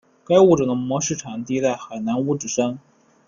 该物种的模式产地在海南五指山。